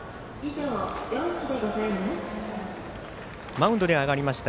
マウンドに上がりました